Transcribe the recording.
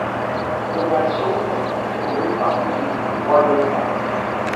Cette donation est confirmée par Philippe, roi des Francs.